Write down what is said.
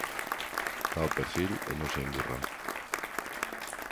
Dá o perfil e non se engurra.